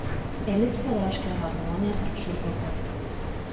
Elipsė reiškė harmoniją tarp šių grupių.